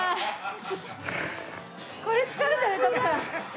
これ疲れたね徳さん。